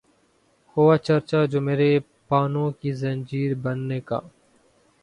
ہوا چرچا جو میرے پانو کی زنجیر بننے کا